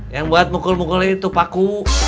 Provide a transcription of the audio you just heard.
yang buat mukul mukulnya itu paku